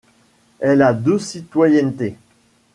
Elle a les deux citoyennetés.